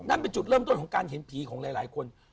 นั่นเป็นจุดเริ่มต้นของการเห็นผีของหลายคน